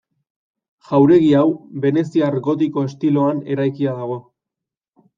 Jauregi hau veneziar gotiko estiloan eraikia dago.